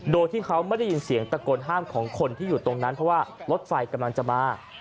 โดยที่เขาไม่ได้ยินเสียงตะโกนห้ามของคนที่อยู่ตรงนั้นเพราะว่ารถไฟกำลังจะมา